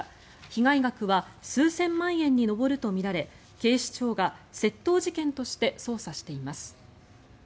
被害額は数千万円に上るとみられ警視庁が窃盗事件として捜査しています。